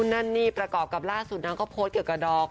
นั่นนี่ประกอบกับล่าสุดนางก็โพสต์เกี่ยวกับดอก